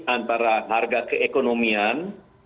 antara harga keekonomian